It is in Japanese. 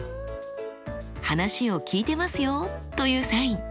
「話を聞いてますよ」というサイン。